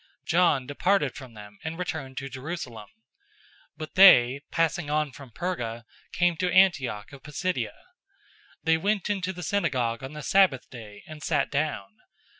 John departed from them and returned to Jerusalem. 013:014 But they, passing on from Perga, came to Antioch of Pisidia. They went into the synagogue on the Sabbath day, and sat down.